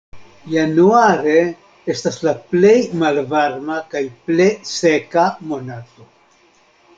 Januare estas la plej malvarma kaj plej seka monato.